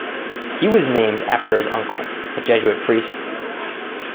He was named after his uncle, a Jesuit priest.